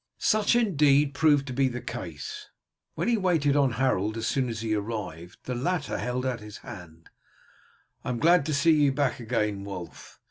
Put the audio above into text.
Such indeed proved to be the case. When he waited on Harold as soon as he arrived the latter held out his hand; "I am glad to see you back again, Wulf.